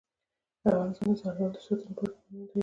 افغانستان د زردالو د ساتنې لپاره قوانین لري.